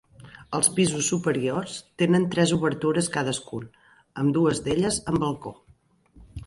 Els pisos superiors tenen tres obertures cadascun, amb dues d'elles amb balcó.